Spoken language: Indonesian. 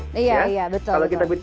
iya iya betul betul